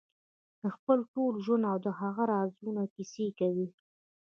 د خپل ټول ژوند او د هغه رازونو کیسې کوي.